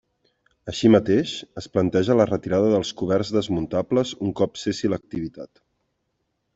Així mateix, es planteja la retirada dels coberts desmuntables un cop cessi l'activitat.